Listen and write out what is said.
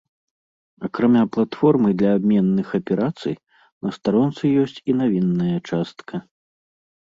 Акрамя платформы для абменных аперацый, на старонцы ёсць і навінная частка.